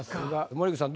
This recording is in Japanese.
森口さん